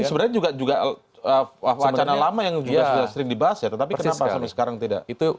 sebenarnya juga wacana lama yang juga sudah sering dibahas ya tetapi kenapa sampai sekarang tidak